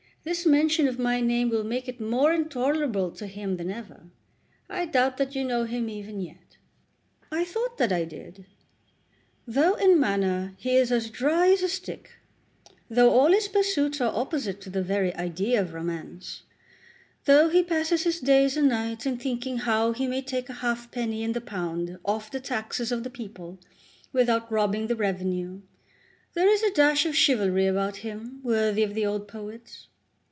This mention of my name will make it more intolerable to him than ever. I doubt that you know him even yet." "I thought that I did." "Though in manner he is as dry as a stick, though all his pursuits are opposite to the very idea of romance, though he passes his days and nights in thinking how he may take a halfpenny in the pound off the taxes of the people without robbing the revenue, there is a dash of chivalry about him worthy of the old poets.